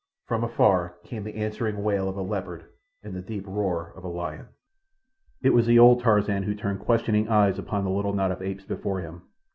From afar came the answering wail of a leopard and the deep roar of a lion. It was the old Tarzan who turned questioning eyes upon the little knot of apes before him.